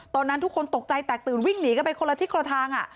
ตอนนั้นทุกคนตกใจแตกตื่นวิ่งหนีกันไปคนละทิศคนละทาง